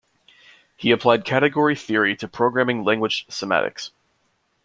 He applied category theory to programming language semantics.